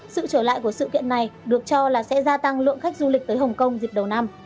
sự trở lại của sự kiện này được cho là sẽ gia tăng lượng khách du lịch tới hồng kông dịp đầu năm